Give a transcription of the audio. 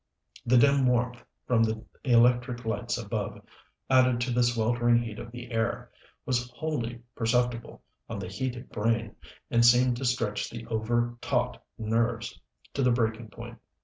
The dim warmth from the electric lights above, added to the sweltering heat of the air, was wholly perceptible on the heated brain, and seemed to stretch the over taut nerves to the breaking point.